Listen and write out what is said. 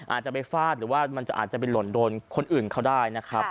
อาจจะไปฟาดหรือว่ามันจะอาจจะไปหล่นโดนคนอื่นเขาได้นะครับ